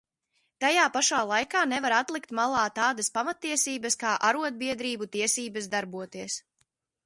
Tajā pašā laikā nevar atlikt malā tādas pamattiesības kā arodbiedrību tiesības darboties.